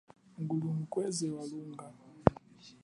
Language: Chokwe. Nguli mukweze wa lunga.